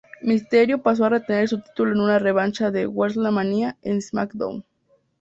Mysterio pasó a retener su título en una revancha de "WrestleMania" en "SmackDown!